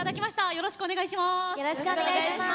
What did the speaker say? よろしくお願いします。